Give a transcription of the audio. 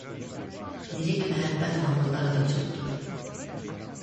Lirik məhəbbət mahnıları da çoxdur.